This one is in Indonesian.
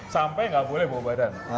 sampai nggak boleh bawa badan